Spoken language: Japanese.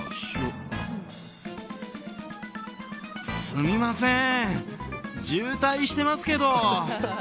すみませーん渋滞してますけど。